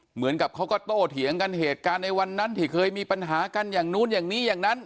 เหมือนกับเขาก็โตเถียงกันเหตุการณ์ในวันนั้นที่เคยมีปัญหากันอย่างนู้นอย่างนี้อย่างนั้น